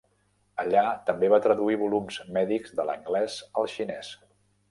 Allà també va traduir volums mèdics de l'anglès al xinès.